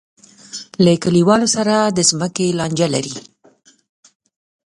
له کلیوالو سره د ځمکې لانجه لري.